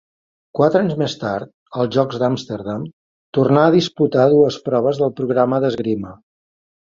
Quatre anys més tard, als Jocs d'Amsterdam, tornà a disputar dues proves del programa d'esgrima.